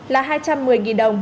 là hai trăm một mươi đồng